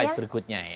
slide berikutnya ya